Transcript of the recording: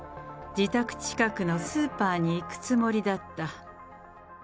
自宅近くのスーパーに行くつもりだった。